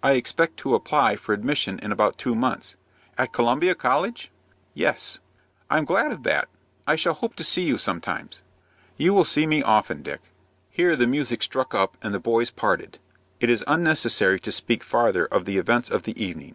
"I expect to apply for admission in about two months." "At Columbia College?" "Yes." "I am glad of that. I shall hope to see you sometimes." "You will see me often, Dick." Here the music struck up, and the boys parted. It is unnecessary to speak farther of the events of the evening.